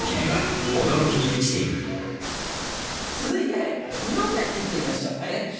続いて２問目行ってみましょう。